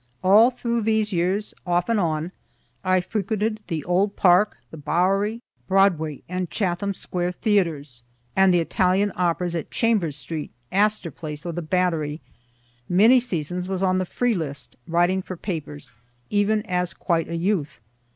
All through these years, off and on, I frequented the old Park, the Bowery, Broadway and Chatham square theatres, and the Italian operas at Chambers street, Astor place or the Battery many seasons was on the free list, writing for papers even as quite a youth.